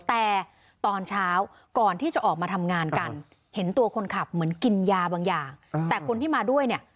แต่ตอนเช้าก่อนที่จะออกมาทำงานกันเห็นตัวคนขับเหมือนกินยาบางอย่างแต่คนที่มาด้วยเนี่ย